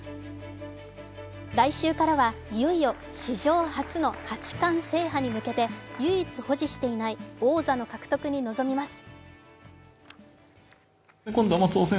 来週からはいよいよ史上初の八冠制覇に向けて、唯一保持していない、王座の獲得に臨みます。